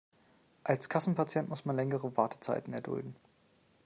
Als Kassenpatient muss man längere Wartezeiten erdulden.